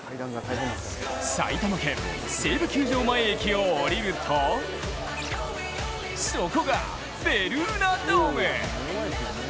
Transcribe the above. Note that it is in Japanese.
埼玉県西武球場前駅をおりるとそこがベルーナドーム。